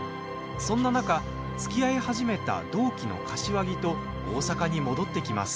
そんな中つきあい始めた同期の柏木と大阪に戻ってきます。